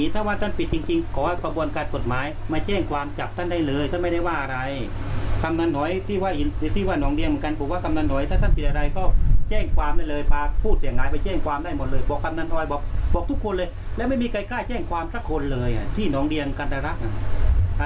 ถ้าแจ้งความทักคนเลยที่นองเรียงกันตรรักษ์